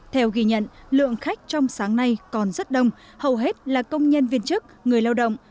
theo ghi nhận lượng khách trong sáng nay còn rất đông hầu hết là công nhân viên chức người lao động